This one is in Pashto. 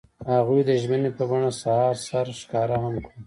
هغوی د ژمنې په بڼه سهار سره ښکاره هم کړه.